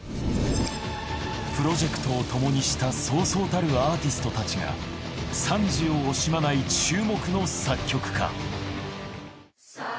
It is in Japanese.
プロジェクトを共にしたそうそうたるアーティストたちが賛辞を惜しまない注目の作曲家。